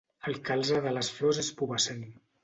El calze de les flors és pubescent.